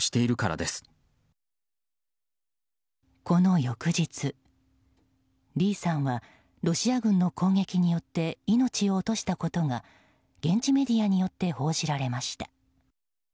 この翌日、リーさんはロシア軍の攻撃によって命を落としたことが現地メディアによって報じられました。